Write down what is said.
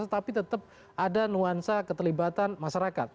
tetapi tetap ada nuansa keterlibatan masyarakat